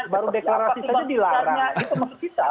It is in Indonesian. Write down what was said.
baru deklarasi saja dilarang